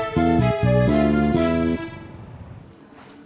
nanti gue nunggu